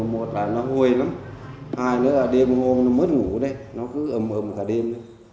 một là nó hôi lắm hai nữa là đêm hôm nó mất ngủ đấy nó cứ ấm ấm cả đêm